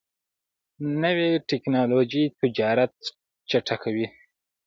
نوې ټکنالوژي تجارت چټکوي.